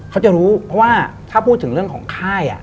เขาจะรู้เพราะว่าถ้าพูดถึงเรื่องของค่าย